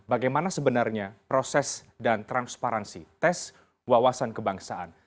bagaimana sebenarnya proses dan transparansi tes wawasan kebangsaan